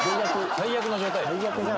最悪の状態。